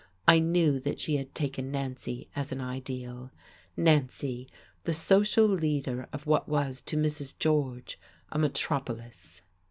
I knew that she had taken Nancy as an ideal: Nancy, the social leader of what was to Mrs. George a metropolis.